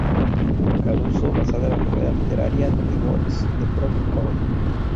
Caruso, basada en la novela literaria "The Goats" de Brock Cole.